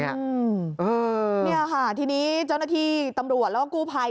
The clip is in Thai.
นี่ค่ะทีนี้เจ้าหน้าที่ตำรวจแล้วก็กู้ภัย